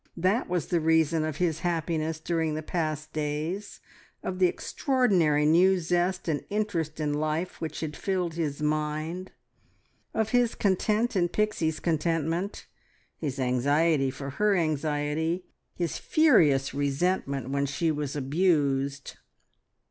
That was the reason of his happiness during the past days, of the extraordinary new zest and interest in life which had filled his mind; of his content in Pixie's contentment, his anxiety for her anxiety, his furious resentment when she was abused.